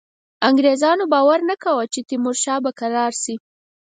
انګرېزانو باور نه کاوه چې تیمورشاه به کرار شي.